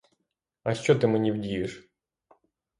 А що ти мені вдієш?